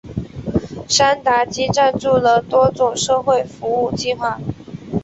山达基赞助了多种社会服务计画。